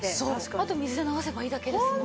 あと水で流せばいいだけですもんね。